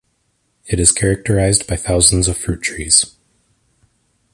It is characterised by thousands of fruit-trees.